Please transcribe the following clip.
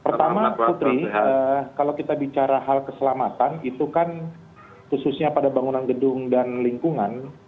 pertama putri kalau kita bicara hal keselamatan itu kan khususnya pada bangunan gedung dan lingkungan